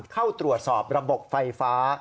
เข้าตรวจสอบระบบไฟฟ้า